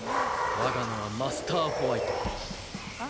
我が名はマスター・ホワイトはあ？